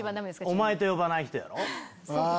「『お前』と呼ばない人」。